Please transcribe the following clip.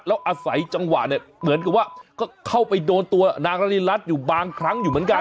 แล้วอาศัยจังหวะเนี่ยเหมือนกับว่าก็เข้าไปโดนตัวนางละลินรัฐอยู่บางครั้งอยู่เหมือนกัน